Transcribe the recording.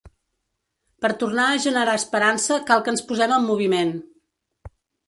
Per tornar a generar esperança cal que ens posem en moviment.